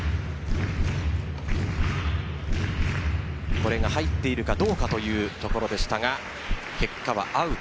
これが入っているかどうかというところでしたが結果はアウト。